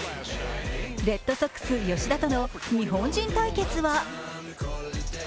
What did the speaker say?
レッドソックス・吉田との日本人対決は？